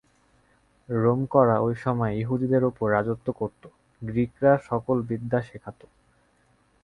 রোমকরা ঐ সময়ে য়াহুদীদের উপর রাজত্ব করত, গ্রীকরা সকল বিদ্যা শেখাত।